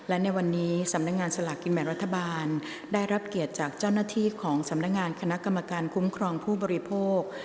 อาระวันที่สามครั้งที่หนึ่งเลขที่ออก